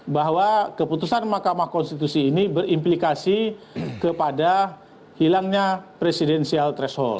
bahwa keputusan mk ini berimplikasi kepada hilangnya presidensial threshold